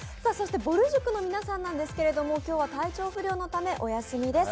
ぼる塾の皆さんなんですが、今日は体調不良のためお休みです。